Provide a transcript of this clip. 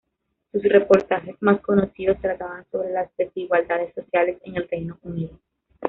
Sus reportajes más conocidos trataban sobre las desigualdades sociales en el Reino Unido.